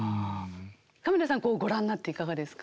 亀田さんご覧になっていかがですか？